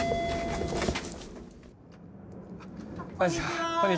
こんにちは。